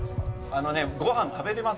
あのねご飯食べれませんから。